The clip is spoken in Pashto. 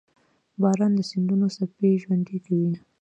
• باران د سیندونو څپې ژوندۍ کوي.